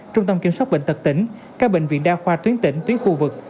trung tâm kiểm soát bệnh tật tỉnh các bệnh viện đa khoa tuyến tỉnh tuyến khu vực